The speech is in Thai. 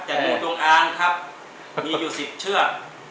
แต่โง่ต้องอ่านครับมีอยู่สิทธิ์เชื่อมนะครับ